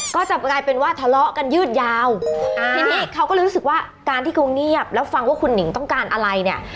ก็จะกลายเป็นว่าทะเลาะกันยืดยาวอ่าทีนี้เขาก็เลยรู้สึกว่าการที่เขาเงียบแล้วฟังว่าคุณหนิงต้องการอะไรเนี่ย